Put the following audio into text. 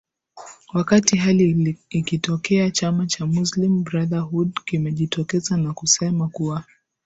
wakati hali ikitokea chama cha muslim brotherhood kimejitokeza na kusema kuwa